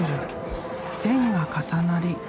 線が重なり